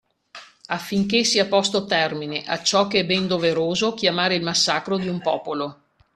Affinché sia posto termine a ciò che è ben doveroso chiamare il massacro di un popolo.